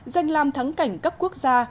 danh làm thắng cảnh cấp quốc gia